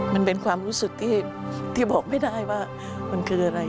มันเป็นความรู้สึกที่บอกไม่ได้ว่ามันคืออะไร